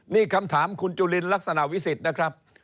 นี่คำถามคุณจุลินลักษณะวิสิทธิ์นะครับ